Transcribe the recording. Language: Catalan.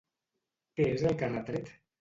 Què és el que ha retret?